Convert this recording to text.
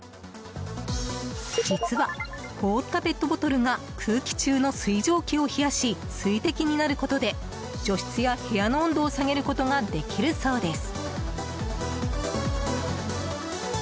実は、凍ったペットボトルが空気中の水蒸気を冷やし水滴になることで除湿や部屋の温度を下げることができるそうです。